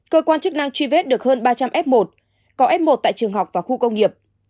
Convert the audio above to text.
cơ quan chức năng truy vết được hơn ba trăm linh f một có f một tại trường học và khu công nghiệp